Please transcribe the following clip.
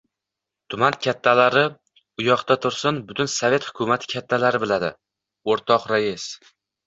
— Tuman kattalari uyoqtsa tursin, butun sovet hukumati kattalari biladi, o‘rtoq rais.